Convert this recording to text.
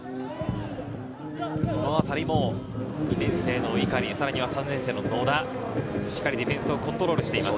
そのあたりも２年生の碇、さらには３年生の野田、しっかりディフェンスをコントロールしています。